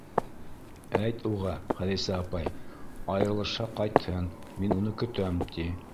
Әйт уға, Хәҙисә апай, айырылышһа, ҡайтһын, мин уны көтәм, ти.